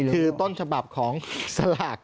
คือต้นฉบับของสลาก